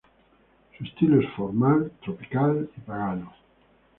Su estilo es formal, tropical y pagano.